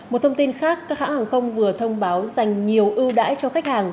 một thông tin khác các hãng hàng không vừa thông báo dành nhiều ưu đãi cho khách hàng